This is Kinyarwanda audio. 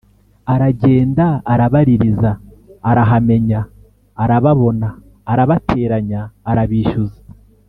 aragenda, arabaririza, arahamenya 'arababona arabateranya, arabishyuza.